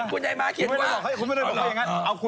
คุณนายม้าเขียนว่า